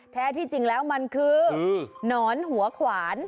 แท้ที่จริงแล้วมันคือหนอนหัวขวาน